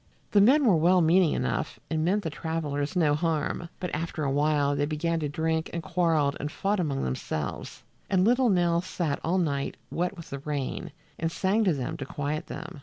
The men were well meaning enough and meant the travelers no harm, but after a while they began to drink and quarreled and fought among themselves, and little Nell sat all night, wet with the rain, and sang to them to quiet them.